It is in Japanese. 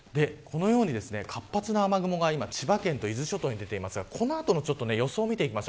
このように活発な雨雲が今千葉県と伊豆諸島に出ていますがこの後の予想を見ていきます。